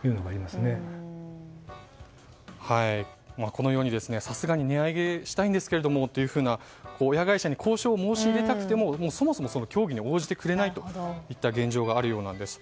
このように、さすがに値上げしたいんですけどもというような親会社に交渉を申し入れたくても、そもそも協議に応じてくれないといった現状があるようです。